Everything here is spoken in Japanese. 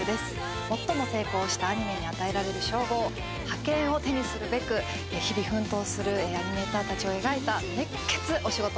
最も成功したアニメに与えられる称号覇権を手にするべく日々奮闘するアニメーターたちを描いた熱血お仕事